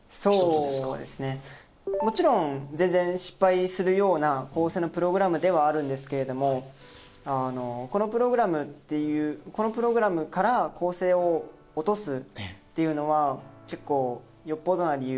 もちろん全然失敗するような構成のプログラムではあるんですけどこのプログラムから構成を落とすっていうのは結構よっぽどな理由。